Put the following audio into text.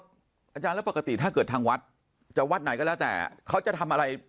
อาจารย์แล้วปกติถ้าเกิดทางวัดจะวัดไหนก็แล้วแต่เขาจะทำอะไร